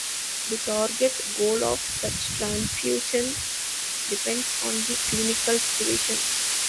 The target goal of such transfusion depends on the clinical situation.